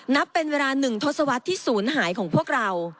นับเป็นเวลา๑ทศวรรษที่ศูนย์หายของพวกเรา